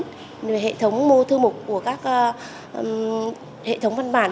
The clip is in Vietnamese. trước khi mà được triển khai tập huấn thì hệ thống mua thư mục của các hệ thống văn bản